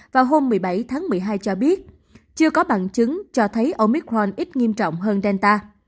vào hôm một mươi bảy tháng một mươi hai cho biết chưa có bằng chứng cho thấy omicron ít nghiêm trọng hơn delta